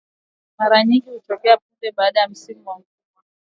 Mara nyingi hutokea punde baada ya msimu wa mvua